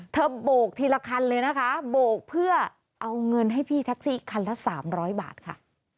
โบกทีละคันเลยนะคะโบกเพื่อเอาเงินให้พี่แท็กซี่คันละ๓๐๐บาทค่ะ